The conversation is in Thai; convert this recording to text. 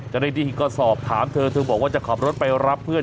เจ้าหน้าที่ก็สอบถามเธอเธอบอกว่าจะขับรถไปรับเพื่อน